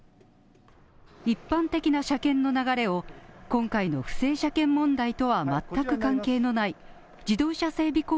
一般的な車検の流れを、今回の不正車検問題とは全く関係のない自動車整備